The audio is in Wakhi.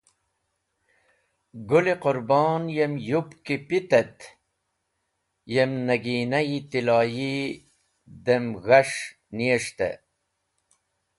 Gũl-e Qũrbon yem yupki pit et yem nagina-e tiloyi dem g̃has̃h niyes̃hte.